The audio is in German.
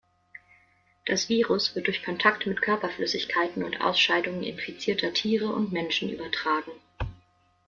Das Virus wird durch Kontakt mit Körperflüssigkeiten und -ausscheidungen infizierter Tiere und Menschen übertragen.